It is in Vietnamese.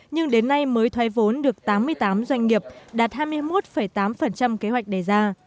nhưng đến nay mới thoái vốn được tám mươi tám doanh nghiệp đạt hai mươi một tám kế hoạch đề ra